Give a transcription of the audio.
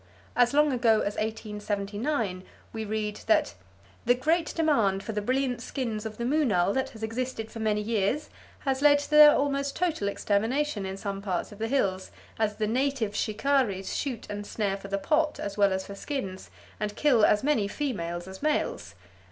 As long ago as 1879 we read that "The great demand for the brilliant skins of the moonal that has existed for many years has led to their almost total extermination in some parts of the hills, as the native shikaris shoot and snare for the pot as well as for skins, and kill as many females as males.